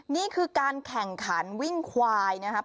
นี่คือการแข่งขันวิ่งควายนะครับ